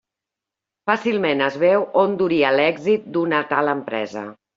Fàcilment es veu on duria l'èxit d'una tal empresa.